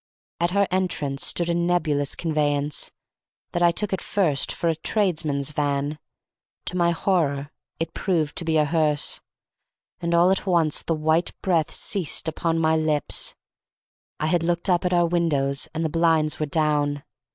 At our entrance stood a nebulous conveyance, that I took at first for a tradesman's van; to my horror it proved to be a hearse; and all at once the white breath ceased upon my lips. I had looked up at our windows and the blinds were down!